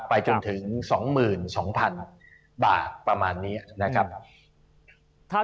ไปจนถึง๒๒๐๐๐บาทประมาณนี้นะครับ